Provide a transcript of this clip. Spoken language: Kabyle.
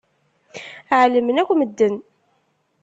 Ɛelmen akk medden.